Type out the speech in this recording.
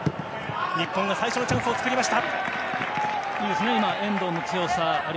日本が最初のチャンスを作りました。